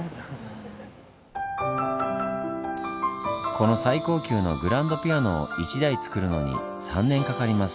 この最高級のグランドピアノを１台つくるのに３年かかります。